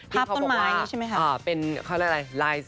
ภาพต้นไม้ใช่ไหมค่ะ